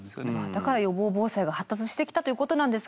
だから予防防災が発達してきたということなんですけど